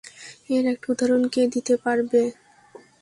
এর একটা উদাহরণ কে দিতে পারবে?